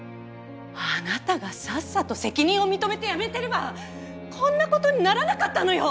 あなたがさっさと責任を認めて辞めてればこんな事にならなかったのよ！